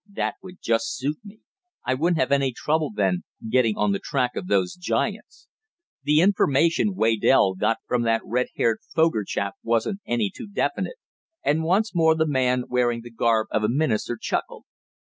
That would just suit me. I wouldn't have any trouble then, getting on the track of those giants. The information Waydell got from that red haired Foger chap wasn't any too definite," and once more the man wearing the garb of a minister chuckled.